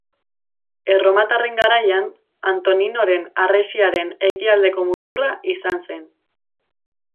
Erromatarren garaian Antoninoren Harresiaren ekialdeko muturra izan zen.